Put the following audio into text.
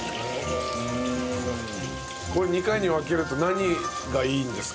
これ２回に分けると何がいいんですか？